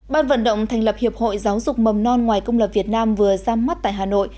ban vận động thành lập hiệp hội giáo dục mầm non ngoài công lập việt nam vừa ra mắt tại hà nội